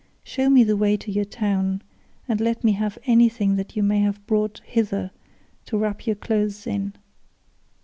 Show me the way to your town, and let me have anything that you may have brought hither to wrap your clothes in.